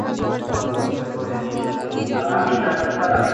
অনেক চিন্তার পর হেমকে চিঠি লিখিতে বসিল।